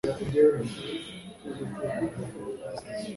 aza no kwiyahura nyuma .